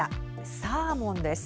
サーモンです。